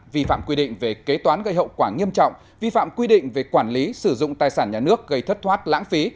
vi phạm quy định về kế toán gây hậu quả nghiêm trọng vi phạm quy định về quản lý sử dụng tài sản nhà nước gây thất thoát lãng phí